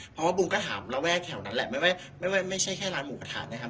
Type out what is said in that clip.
เพราะว่าบูมก็ถามระแวกแถวนั้นแหละไม่ใช่แค่ร้านหมูกระทะนะครับ